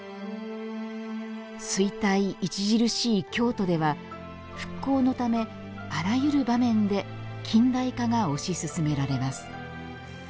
衰退著しい京都では復興のためあらゆる場面で近代化が推し進められます。